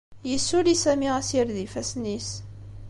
Yessuli Sami asired n yifassen-is.